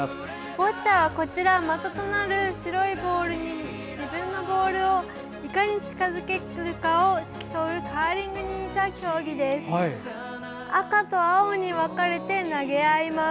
ボッチャはこちらの的となるボールに自分のボールをいかに近づけられるかを競うカーリングに似た競技です。